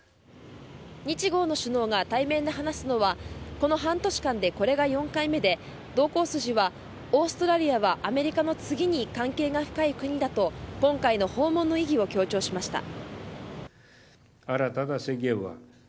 日豪の首脳が対面で話すのはこの半年間でこれが４回目で同行筋はオーストラリアはアメリカの次に関係が深い国だと今回の訪問の意義を強調しました。